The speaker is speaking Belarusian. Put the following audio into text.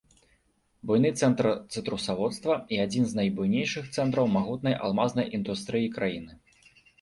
Буйны цэнтр цытрусаводства і адзін з найбуйнейшых цэнтраў магутнай алмазнай індустрыі краіны.